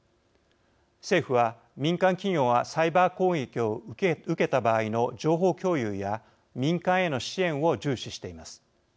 政府は民間企業がサイバー攻撃を受けた場合の情報共有や、民間への支援を重視しています。